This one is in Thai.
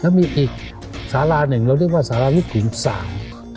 และมีอีกศาลาหนึ่งเราเรียกว่าศาลาลูกคุณสาม